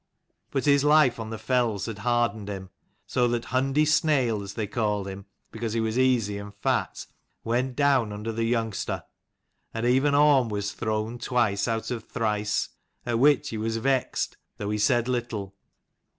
But his life on the fells had hardened him, so that Hundi Snail, as they called him because he was easy and fat, went down under the youngster : and even Orm was thrown twice out of thrice; at which he was vexed, though he said little.